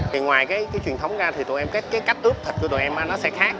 thì ngoài cái truyền thống ra thì tụi em cái cách ướp thịt của tụi em nó sẽ khác